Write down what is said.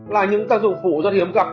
là những tác dụng phổ rất hiếm gặp